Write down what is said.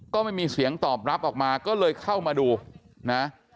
ก็ไม่มีเสียงตอบรับออกมาก็เลยเข้ามาดูนะ